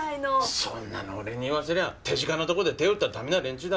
そんなの俺に言わせりゃ手近なとこで手を打った駄目な連中だ。